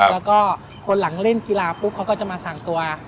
แล้วก็คนหลังเล่นกีฬาปุ๊บเขาก็จะมาสั่งตัว